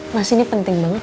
mas ini penting banget